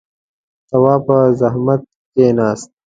تواب په زحمت کېناست.